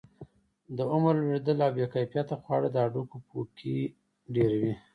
د عمر لوړېدل او بې کیفیته خواړه د هډوکو پوکي ډیروي.